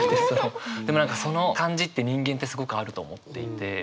その感じって人間ってすごくあると思っていて。